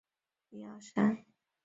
后来李自成封朱慈烺为宋王。